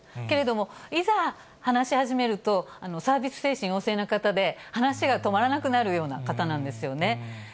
けれども、いざ話し始めるとサービス精神旺盛な方で、話が止まらなくなるような方なんですよね。